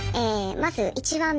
まず１番目。